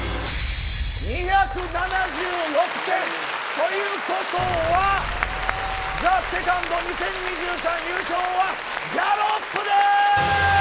ということはＴＨＥＳＥＣＯＮＤ２０２３優勝はギャロップです。